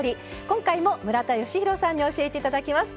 今回も村田吉弘さんに教えて頂きます。